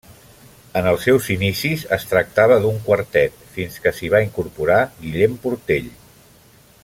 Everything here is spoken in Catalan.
En els seus inicis es tractava d'un quartet, fins que s'hi va incorporar Guillem Portell.